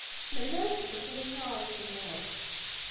Melmi ara teddu Taninna ɣer uzemmur?